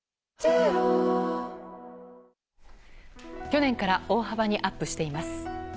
去年から大幅にアップしています。